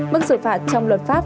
mức xử phạt trong luật pháp